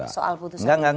soal putusan ini